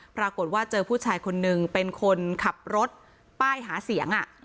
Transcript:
ปรากฏว่าเจอผู้ชายคนนึงเป็นคนขับรถป้ายหาเสียง